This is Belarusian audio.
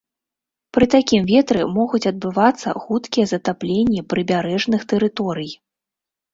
Пры такім ветры могуць адбывацца хуткія затапленні прыбярэжных тэрыторый.